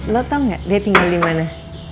lo tau gak dia tinggal dimana